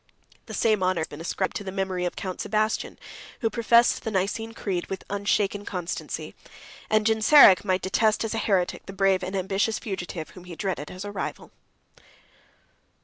The same honor has been ascribed to the memory of Count Sebastian, who professed the Nicene creed with unshaken constancy; and Genseric might detest, as a heretic, the brave and ambitious fugitive whom he dreaded as a rival.